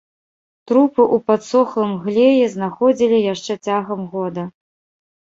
Трупы ў падсохлым глеі знаходзілі яшчэ цягам года.